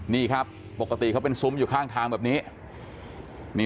นี่ครับปกติเขาเป็นซุ้มอยู่ข้างทางแบบนี้